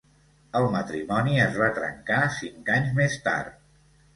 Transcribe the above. El matrimoni es va trencar cinc anys més tard.